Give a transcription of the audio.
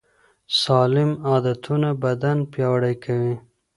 سالم عادتونه بدن پیاوړی کوي.